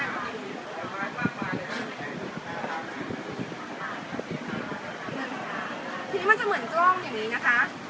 ทีนี้มันจะเหมือนกล้องอย่างนี้นะคะ